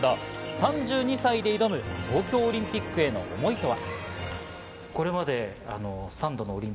３２歳で挑む東京オリンピックへの思いとは。